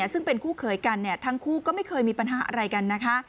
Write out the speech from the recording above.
ซึ่งเป็นคู่เขยกันทั้งคู่ก็ไม่เคยมีปัญหาอะไรกันนะคะ